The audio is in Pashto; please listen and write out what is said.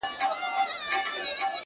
په سونډو کي چي ولگېدی زوز په سجده کي’